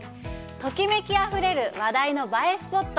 ときめきあふれる話題の映えスポット。